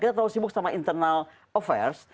kita terlalu sibuk sama internal affairs